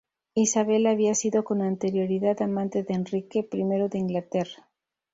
Isabel había sido con anterioridad amante de Enrique I de Inglaterra.